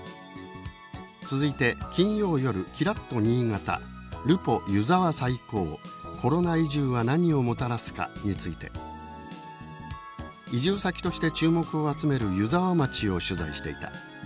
続いて金よう夜きらっと新潟「ルポ湯沢再考“コロナ移住”は何をもたらすか」について「移住先として注目を集める湯沢町を取材していた。